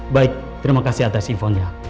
baik terima kasih atas infonya